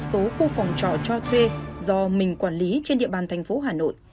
một số khu phòng trọ cho thuê do mình quản lý trên địa bàn thành phố hà nội